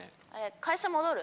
会社戻る？